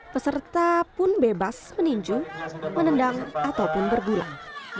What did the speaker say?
peserta pun bebas meninju menendang ataupun berbulan